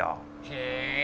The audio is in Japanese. へえ。